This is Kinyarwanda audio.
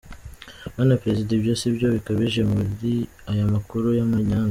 Bwana Perezida, ibyo si byo bikabije muri aya makuru y’amanyanga.